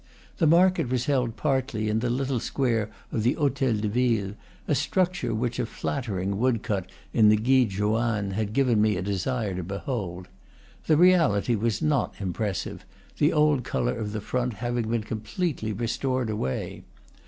The market was held partly in the little square of the hotel de ville, a structure which a flattering wood cut in the Guide Joanne had given me a desire to behold. The reality was not impressive, the old color of the front having been completely restored away.